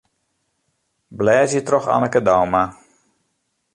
Blêdzje troch Anneke Douma.